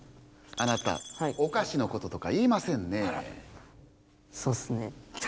あなたおかしのこととか言えませんねぇ。